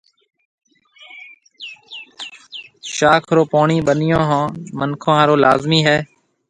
شاخ رو پوڻِي ٻنِيون هانَ مِنکون هارون لازمِي هيَ۔